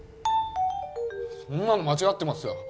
そんなの間違ってますよ